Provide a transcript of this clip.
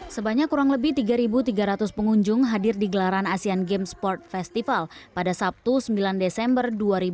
sebanyak kurang lebih tiga tiga ratus pengunjung hadir di gelaran asean games sport festival pada sabtu sembilan desember dua ribu dua puluh